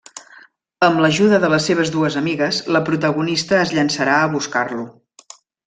Amb l'ajuda de les seves dues amigues, la protagonista es llançarà a buscar-lo.